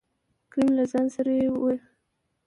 کريم : له ځان سره يې ووېل: